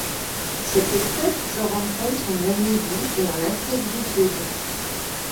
Cette espèce se rencontre en Namibie et en Afrique du Sud.